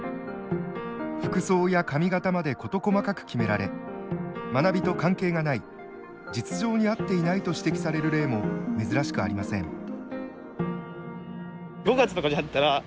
服装や髪型まで事細かく決められ学びと関係がない実情に合っていないと指摘される例も珍しくありません。